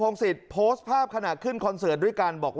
และก็มีการกินยาละลายริ่มเลือดแล้วก็ยาละลายขายมันมาเลยตลอดครับ